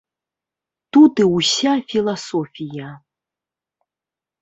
Тут і ўся філасофія.